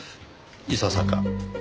いささか。